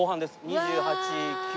２８２９。